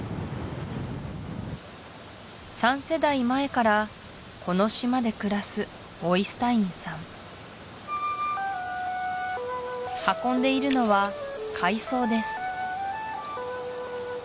３世代前からこの島で暮らすオイスタインさん運んでいるのは海藻です